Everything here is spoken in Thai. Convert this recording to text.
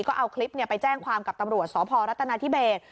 ก็เอาคลิปไปแจ้งความกับตำรวจสพรัฐนาธิเบส